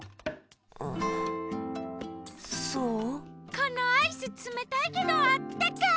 このアイスつめたいけどあったかい！